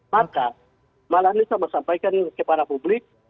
maka malah bisa saya sampaikan kepada publik